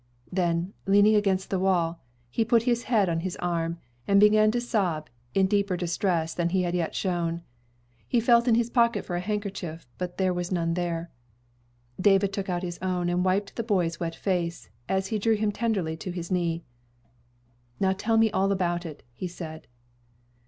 Then leaning against the wall, he put his head on his arm, and began to sob in deeper distress than he had yet shown. He felt in his pocket for a handkerchief, but there was none there. David took out his own and wiped the boy's wet face, as he drew him tenderly to his knee. "Now tell me all about it," he said.